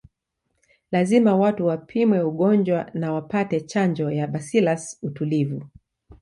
Lazima watu wapimwe ugonjwa na wapate chanjo ya bacillus utulivu